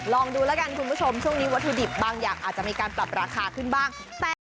ลองดูแล้วกันคุณผู้ชมช่วงนี้วัตถุดิบบางอย่างอาจจะมีการปรับราคาขึ้นบ้าง